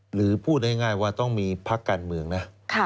หรือพูดง่ายว่าต้องมีพักการเมืองนะ